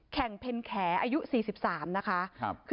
แข่งเพ่นแขนอายุ๔๓